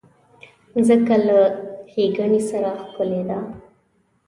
مځکه له ښېګڼې سره ښکلې ده.